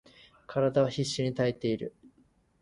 体は必死に支えている。